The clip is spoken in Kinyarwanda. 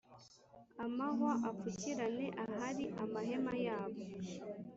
amahwa apfukirane ahari amahema yabo.